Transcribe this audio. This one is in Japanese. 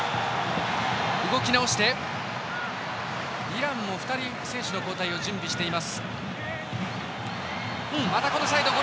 イランも２人選手の交代を準備しています。